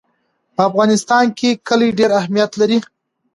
په افغانستان کې کلي ډېر اهمیت لري.